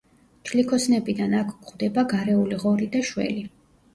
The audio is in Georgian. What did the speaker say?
ჩლიქოსნებიდან აქ გვხვდება: გარეული ღორი და შველი.